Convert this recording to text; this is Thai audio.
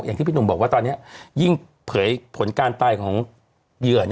อย่างที่พี่หนุ่มบอกว่าตอนนี้ยิ่งเผยผลการตายของเหยื่อ